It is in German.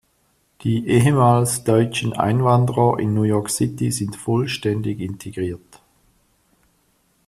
Die ehemals deutschen Einwanderer in New York City sind vollständig integriert.